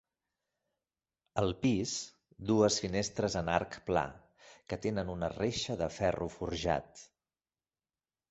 Al pis, dues finestres en arc pla, que tenen una reixa de ferro forjat.